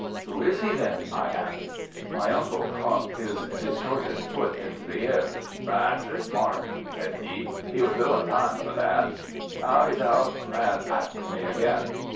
"Who is he, then?" I asked. My uncle cocked his distorted foot into the air. "That's 'is mark!" said he. "'E was doin' time for that. Now 'e's out an' after me again."